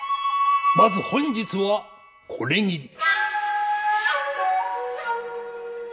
まず本日はこれぎり。